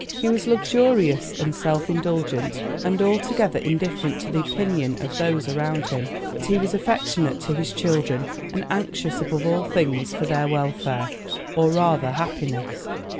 He was luxurious and self indulgent, and altogether indifferent to the opinion of those around him. But he was affectionate to his children, and anxious above all things for their welfare, or rather happiness.